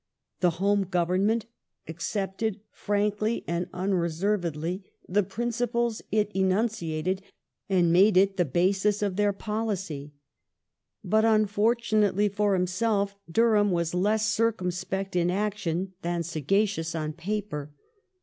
The Home Government accepted, frankly and unreservedly, the principles it enunciated, and made it the basis of their policy. But unfortunately for himself, Durham was less circumspect in action than sagacious on paper.